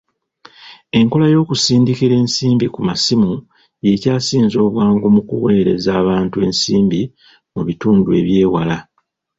Enkola y'okusindikira ensimbi ku masimu y'ekyasinze obwangu mu kuweereza abantu ensimbi mu bitundu eby'ewala.